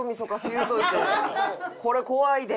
これ怖いで。